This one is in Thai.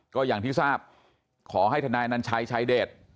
ก็อย่างที่ทราบขอให้ทนายนัญชัยชายเดช